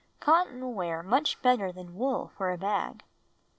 Cotton will wear much better than wool for a bag."